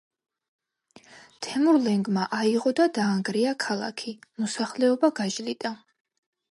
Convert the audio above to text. თემურლენგმა აიღო და დაანგრია ქალაქი, მოსახლეობა გაჟლიტა.